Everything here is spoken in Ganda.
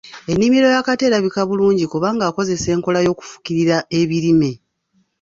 Ennimiro ya Kato erabika bulungi kubanga akozesa enkola y’okufukirira ebirime.